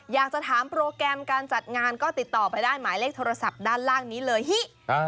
อยากจะถามโปรแกรมการจัดงานก็ติดต่อไปได้หมายเลขโทรศัพท์ด้านล่างนี้เลยฮิ